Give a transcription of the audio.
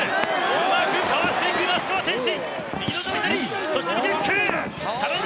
うまくかわしていく那須川天心！